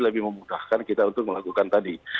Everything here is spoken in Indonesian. lebih memudahkan kita untuk melakukan tadi